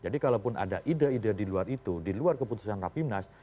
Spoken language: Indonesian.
jadi kalau pun ada ide ide di luar itu di luar keputusan rapimnas